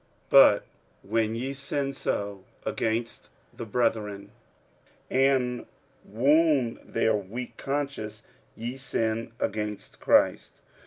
46:008:012 But when ye sin so against the brethren, and wound their weak conscience, ye sin against Christ.